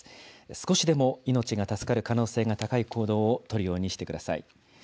少しでも命が助かる可能性が高い行動を取るようにしてください。